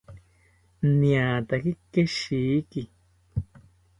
Niataki keshiki